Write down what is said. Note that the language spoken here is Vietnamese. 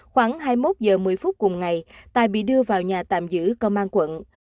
khoảng hai mươi một h một mươi phút cùng ngày tài bị đưa vào nhà tạm giữ công an quận